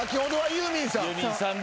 ユーミンさんで。